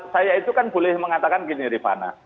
saya itu kan boleh mengatakan gini rifana